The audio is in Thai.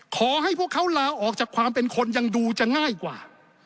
ขอให้พวกเขาลาออกจากความเป็นคนยังดูจะง่ายกว่า